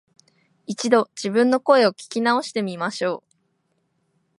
一度、自分の声を聞き直してみましょう